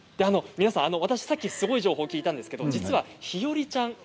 私、さっきすごい情報を聞いたんですけれど実は日和ちゃん